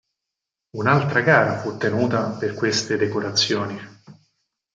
Un'altra gara fu tenuta per queste decorazioni.